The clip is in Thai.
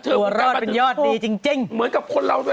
เป็นใครรถเฉี่ยวเล่นของพี่ภาวดี